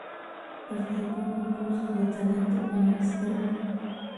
Participó en concursos de talento en la escuela.